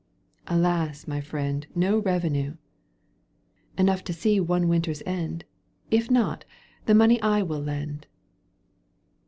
—" Alas ! my friend, no revenue !"" Enough to see one winter's end ; If not, the money I will lend."